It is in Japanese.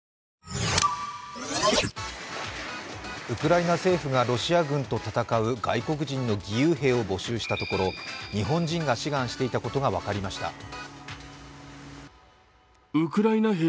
ウクライナ政府がロシア軍と戦う外国人の義勇兵を募集したところ日本人が志願していたことが分かりました。